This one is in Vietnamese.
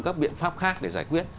các biện pháp khác để giải quyết